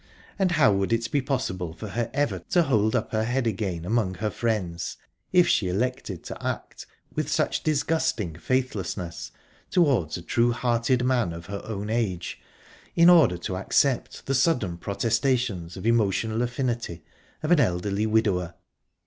And how would it be possible for her ever to hold up her head again among her friends, if she elected to act with such disgusting faithlessness towards a true hearted man of her own age, in order to accept the sudden protestations of emotional affinity of an elderly widower?...